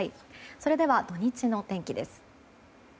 それでは土日の天気です。